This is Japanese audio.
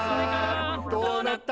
「どうなった？」